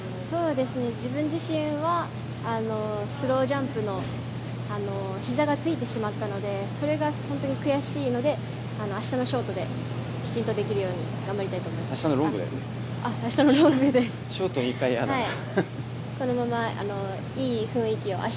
自分自身はスロージャンプのひざがついてしまったのでそれが本当に悔しいので明日のショートできちんとできるように明日はフリーやで。